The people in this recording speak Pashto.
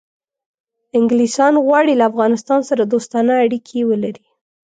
انګلیسان غواړي له افغانستان سره دوستانه اړیکې ولري.